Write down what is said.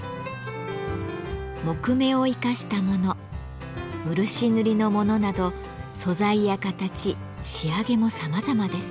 木目を生かしたもの漆塗りのものなど素材や形仕上げもさまざまです。